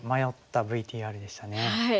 はい。